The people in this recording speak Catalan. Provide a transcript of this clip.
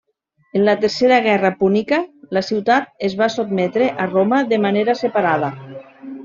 En la Tercera Guerra púnica la ciutat es va sotmetre a Roma de manera separada.